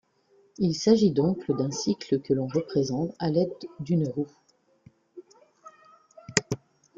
Il s'agit donc d'un cycle que l'on représente à l'aide d'une roue.